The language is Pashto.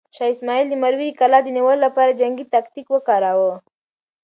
شاه اسماعیل د مروې کلا د نیولو لپاره جنګي تاکتیک وکاراوه.